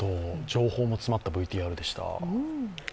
情報も詰まったＶＴＲでした。